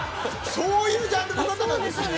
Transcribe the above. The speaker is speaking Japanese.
そういうジャンルの方なんですね。